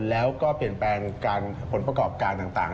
แล้วก็เปลี่ยนแปลงการผลประกอบการต่าง